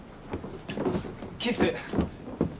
キス。